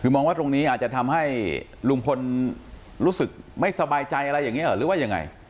คือมองว่าตรงนี้อาจจะทำให้ลุงพลรู้สึกไม่สบายใจอะไรอย่างนี้หรือว่ายังไง